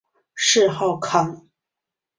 谥号康。